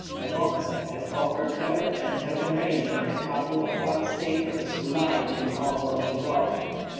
A Bonze had offered her and her companions a couple of wax tapers to light in honour of the god.